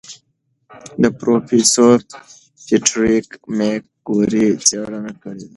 پروفیسور پیټریک مکګوري څېړنه کړې ده.